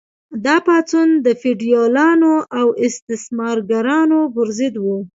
دا پاڅون د فیوډالانو او استثمارګرانو پر ضد و.